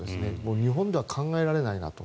日本では考えられないなと。